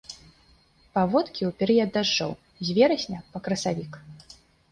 Паводкі ў перыяд дажджоў, з верасня па красавік.